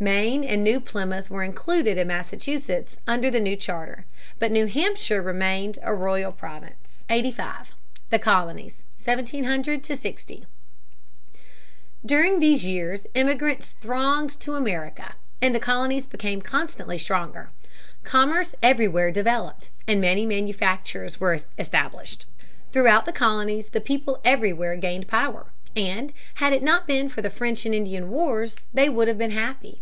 Maine and New Plymouth were included in Massachusetts under the new charter. But New Hampshire remained a royal province. [Sidenote: Prosperity of the colonies, 1700 60.] 85. The Colonies, 1700 60. During these years immigrants thronged to America, and the colonies became constantly stronger. Commerce everywhere developed, and many manufactures were established. Throughout the colonies the people everywhere gained power, and had it not been for the French and Indian wars they would have been happy.